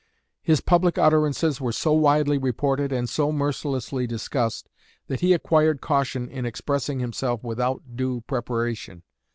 His public utterances were so widely reported and so mercilessly discussed that he acquired caution in expressing himself without due preparation.